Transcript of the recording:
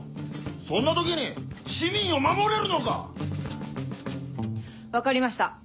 そんな時に市民を守れるのか⁉分かりました